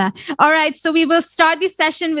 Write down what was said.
baiklah kami akan memulai sesi ini